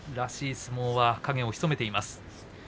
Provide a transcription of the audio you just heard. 相撲は影を潜めています。